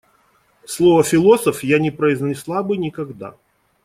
Слово «философ» я не произнесла бы никогда.